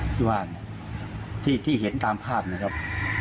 ที่ว่าที่เห็นตามภาพนะครับ